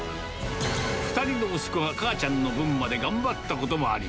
２人の息子はかあちゃんの分まで頑張ったこともあり、